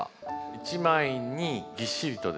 一枚にぎっしりとですね